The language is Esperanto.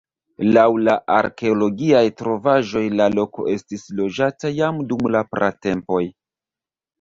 Laŭ la arkeologiaj trovaĵoj la loko estis loĝata jam dum la pratempoj.